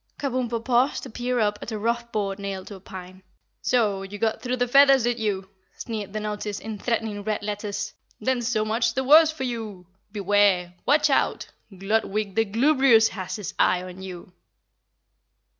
Kabumpo paused to peer up at a rough board nailed to a pine. "So! You got through the feathers, did you?" sneered the notice in threatening red letters. "Then so much the worse for you! Beware! Watch out! Gludwig the Glubrious has his eye on you."